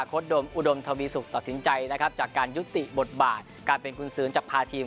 ดมอุดมทวีสุกตัดสินใจนะครับจากการยุติบทบาทการเป็นคุณซื้อจากพาทีม